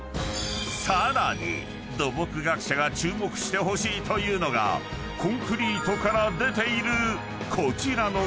［さらに土木学者が注目してほしいというのがコンクリートから出ているこちらの］